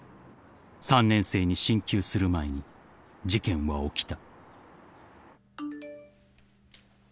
［３年生に進級する前に事件は起きた］